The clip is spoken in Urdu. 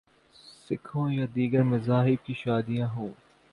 سکھوں یا دیگر مذاہب کی شادیاں ہوں۔